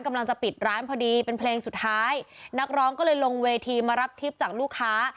กำลังจะปิดร้านพอดีเป็นเพลงสุดท้ายนักร้องก็เลยลงเวทีมารับทริปจากลูกค้า